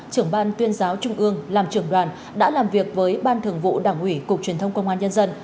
trưởng ban tuyên giáo trung ương làm trưởng đoàn đã làm việc với ban thường vụ đảng ủy cục truyền thông công an nhân dân